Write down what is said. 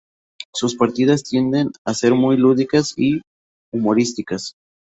Sus partidas tienden a ser muy lúdicas y humorísticas.